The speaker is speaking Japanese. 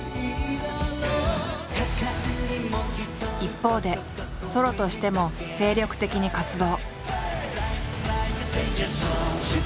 一方でソロとしても精力的に活動。